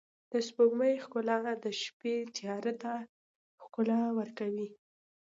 د سپوږمۍ ښکلا د شپې تیاره ته ښکلا ورکوي.